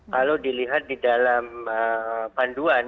kalau dilihat di dalam panduan